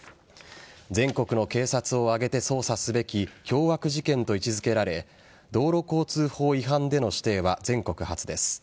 全国の警察を挙げて捜査すべき凶悪事件と位置付けられ道路交通法違反での指定は全国初です。